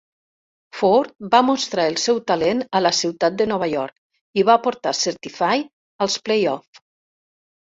Forte va mostrar el seu talent a la ciutat de Nova York i va portar Certified als playoffs.